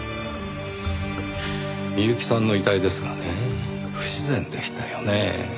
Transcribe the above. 美由紀さんの遺体ですがね不自然でしたよねぇ。